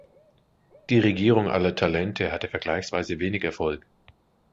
Die Regierung aller Talente hatte vergleichsweise wenig Erfolg.